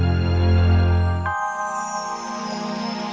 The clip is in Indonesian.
dari rupanya dato' he moon padre kekebalan terbaik pada mobil pasangan ini